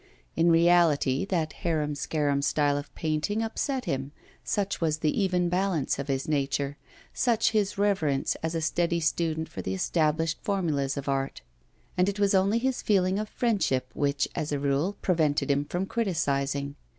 In reality that harum scarum style of painting upset him, such was the even balance of his nature, such his reverence as a steady student for the established formulas of art; and it was only his feeling of friendship which, as a rule, prevented him from criticising.